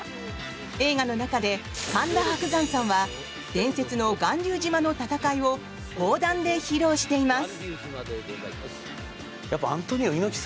映画の中で、神田伯山さんは伝説の巌流島の戦いを講談で披露しています。